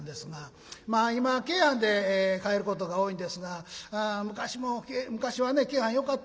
まあ今は京阪で帰ることが多いんですが昔はね京阪よかったんですよ。